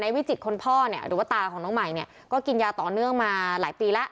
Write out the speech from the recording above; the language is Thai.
วิจิตคนพ่อเนี่ยหรือว่าตาของน้องใหม่เนี่ยก็กินยาต่อเนื่องมาหลายปีแล้ว